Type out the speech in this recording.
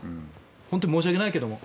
本当に申し訳ないけれども。